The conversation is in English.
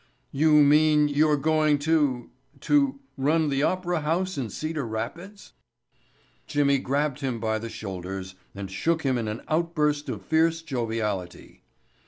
"You mean you're going to—to—run the opera house in Cedar Rapids?" Jimmy grabbed him by the shoulders and shook him in an outburst of fierce joviality.